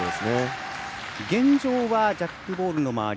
現状、ジャックボールの周り